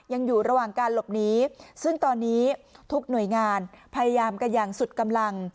ยังอยู่ระหว่างการหลบหนีซึ่งตอนนี้ทุกหน่วยงานพยายามกันอย่างสุดกำลัง